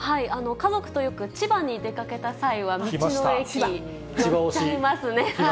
家族とよく千葉に出かけた際は、道の駅寄っちゃいますね。